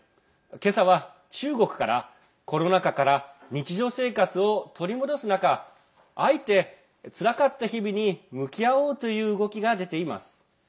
今朝は中国から、コロナ禍から日常生活を取り戻す中あえて、つらかった日々に向き合おうという動きが出ています。